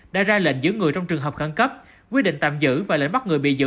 đã ra lệnh giữ người trong trường hợp khẳng cấp quy định tạm giữ và lệnh bắt người bị giữ